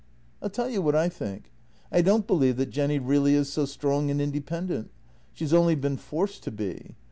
" I'll tell you what I think. I don't believe that Jenny really is so strong and independent. She's only been forced to be.